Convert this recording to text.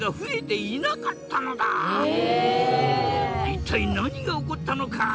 一体何が起こったのか！？